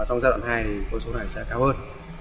trong giai đoạn hai con số này sẽ cao hơn